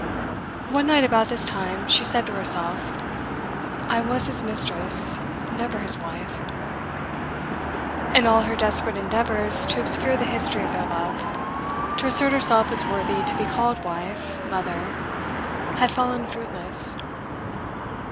One night about this time she said to herself: 'I was his mistress, never his wife.' And all her desperate endeavours to obscure the history of their love, to assert herself as worthy to be called wife, mother, had fallen fruitless.